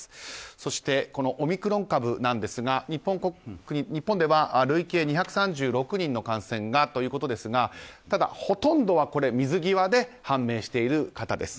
そして、オミクロン株なんですが日本では累計２３６人の感染がということですがただ、ほとんどは水際で判明している方です。